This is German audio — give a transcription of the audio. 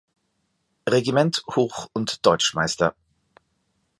Regiment Hoch- und Deutschmeister.